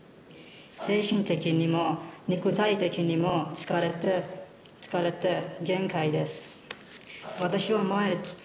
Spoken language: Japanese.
「精神的にも肉体的にも疲れて疲れて限界です」。